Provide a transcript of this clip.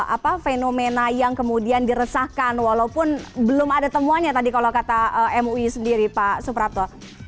apa fenomena yang kemudian diresahkan walaupun belum ada temuannya tadi kalau kata mui sendiri pak suprapto